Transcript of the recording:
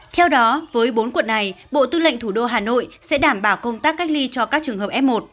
theo đó với bốn quận này bộ tư lệnh thủ đô hà nội sẽ đảm bảo công tác cách ly cho các trường hợp f một